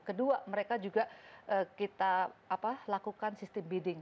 kedua mereka juga kita lakukan sistem bidding